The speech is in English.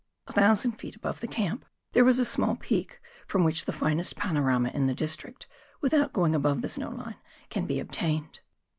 A thousand feet above the camp there was a small peak, from which the finest panorama in the district — without going above the snow line — can be obtained.